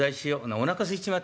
おなかすいちまったから。